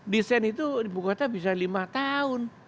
desain itu di buku kota bisa lima tahun